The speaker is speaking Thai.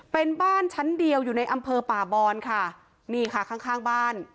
เป็นบ้านชั้นเดียวอยู่ในอำเภอป่าบอนค่ะนี่ค่ะข้างข้างบ้าน